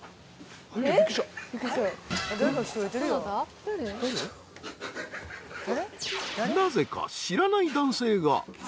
［なぜか］